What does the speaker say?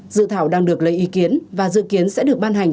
dự thảo đang được lấy ý kiến và dự kiến sẽ được ban hành